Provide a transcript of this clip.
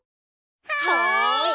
はい！